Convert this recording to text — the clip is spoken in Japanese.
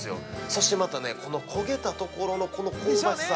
そして、またねこの焦げたところのこの香ばしさ。